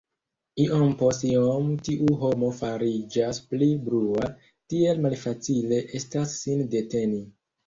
Iom post iom tiu homo fariĝas pli brua; tiel malfacile estas sin deteni!